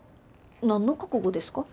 何の覚悟ですか？